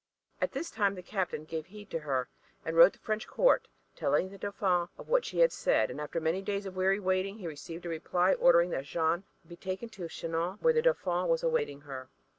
And this time the captain gave heed to her and wrote to the French Court, telling the Dauphin of what she had said; and after many days of weary waiting he received a reply ordering that Jeanne be taken to Chinon where the Dauphin was awaiting her.